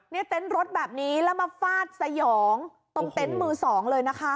เต็นต์รถแบบนี้แล้วมาฟาดสยองตรงเต็นต์มือสองเลยนะคะ